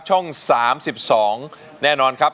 ช่อง๓๒แน่นอนครับ